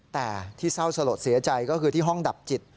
แต่ที่เศร้าสลดเสียใจก็คือที่ห้องดับจิต